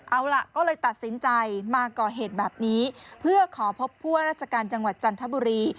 เอาล่ะก็เลยตัดสินใจมาก่อเหตุแบบนี้เพื่อขอพบผู้ว่าราชการจังหวัดจันทบุรี